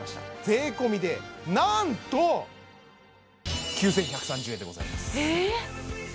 税込でなんと９１３０円でございますええっ？